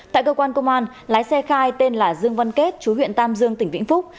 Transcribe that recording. tại cơ quan công an lái xe khai tên là dương văn kết chú huyện tam dương tỉnh vĩnh phúc